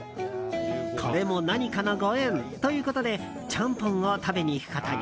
これも何かのご縁ということでちゃんぽんを食べに行くことに。